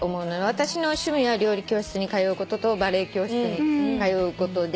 私の趣味は料理教室に通うこととバレエ教室に通うことで。